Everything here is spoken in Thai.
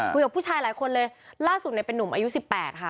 คุยกับผู้ชายหลายคนเลยล่าสุดเนี่ยเป็นนุ่มอายุสิบแปดค่ะ